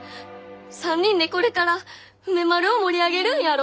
３人でこれから梅丸を盛り上げるんやろ！